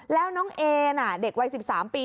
แล้วน้องเอน่ะเด็กวัย๑๓ปี